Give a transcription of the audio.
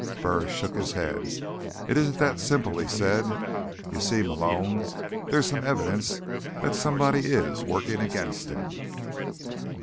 Burris shook his head. "It isn't that simple," he said. "You see, Malone, there's some evidence that somebody is working against him."